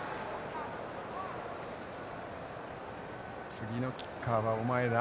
「次のキッカーはお前だ」。